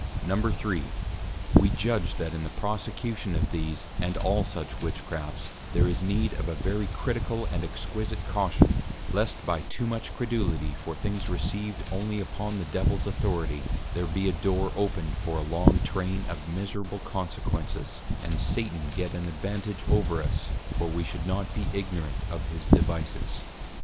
_ III. _We judge that in the prosecution of these, and all such Witchcrafts, there is need of a very critical and exquisite Caution, lest by too much Credulity for things received only upon the Devil's Authority, there be a Door opened for a long Train of miserable Consequences, and Satan get an advantage over us, for we should not be ignorant of his Devices.